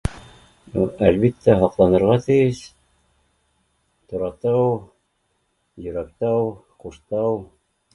Әлбиттә һаҡланырға тейеш Торатау, Йөрәктау, Ҡуштау